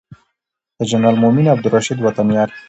د جنرال مؤمن او عبدالرشید وطن یار